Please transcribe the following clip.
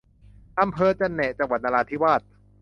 อำเภอจะแนะ จังหวัดนราธิวาส